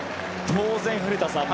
当然、古田さん